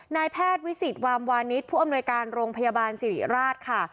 นายแพทย์วิสิตวามวานิสผู้อำนวยการโรงพยาบาลสิริราชค่ะ